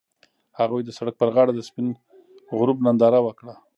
هغوی د سړک پر غاړه د سپین غروب ننداره وکړه.